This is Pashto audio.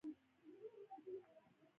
کله چې هوا روښانه شوه د شريف موټر نه و.